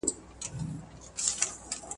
کوم عوامل د کلتور پیاوړتیا ته زیان رسوي؟